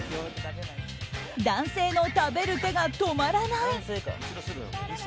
男性の食べる手が、止まらない！